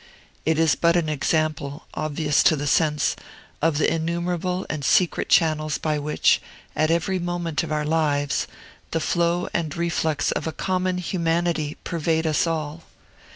It is but an example, obvious to the sense, of the innumerable and secret channels by which, at every moment of our lives, the flow and reflux of a common humanity pervade us all.